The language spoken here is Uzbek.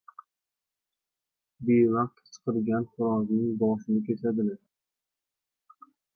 • Bevaqt qichqirgan xo‘rozning boshini kesadilar.